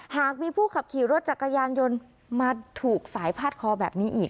หากมีผู้ขับขี่รถจักรยานยนต์มาถูกสายพาดคอแบบนี้อีก